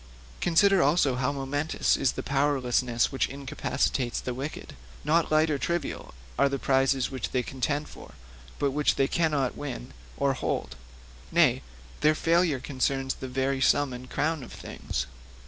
Consider also how momentous is the powerlessness which incapacitates the wicked. Not light or trivial[L] are the prizes which they contend for, but which they cannot win or hold; nay, their failure concerns the very sum and crown of things.